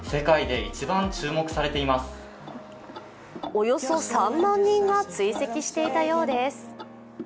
およそ３万人が追跡していたようです。